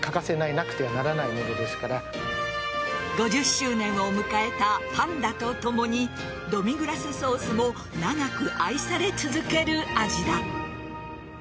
５０周年を迎えたパンダとともにドミグラスソースも長く愛され続ける味だ。